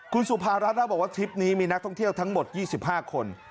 คุณสุภารัชน่ะบอกว่าทริปนี้มีนักท่องเที่ยวทั้งหมดยี่สิบห้าคน